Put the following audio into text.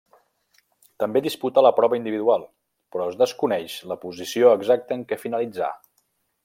També disputà la prova individual, però es desconeix la posició exacta en què finalitzà.